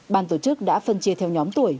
ban tổ chức đã phân chia theo nhóm tuổi